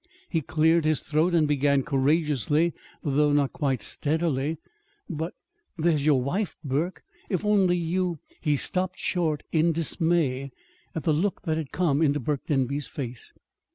He cleared his throat and began, courageously, though not quite steadily. "But there's your wife, Burke. If only you " He stopped short in dismay at the look that had come into Burke Denby's face.